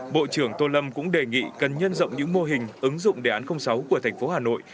bộ trưởng tô lâm cũng đề nghị cần nhân rộng những mô hình ứng dụng đề án sáu của thành phố hà nội